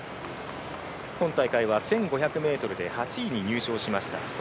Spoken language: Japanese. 今大会は１５００ｍで８位に入賞しました。